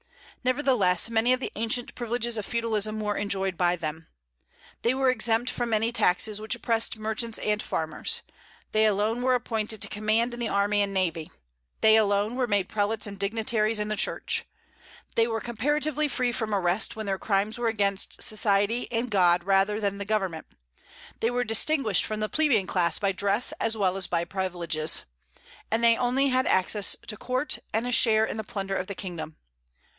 Nevertheless, many of the ancient privileges of feudalism were enjoyed by them. They were exempt from many taxes which oppressed merchants and farmers; they alone were appointed to command in the army and navy; they alone were made prelates and dignitaries in the Church; they were comparatively free from arrest when their crimes were against society and God rather than the government; they were distinguished from the plebeian class by dress as well as by privileges; and they only had access to court and a share in the plunder of the kingdom.